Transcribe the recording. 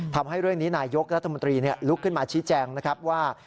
ทำให้เรื่องนี้นายยกรัฐมนตรีลุกขึ้นมาชี้แจงนะครับว่า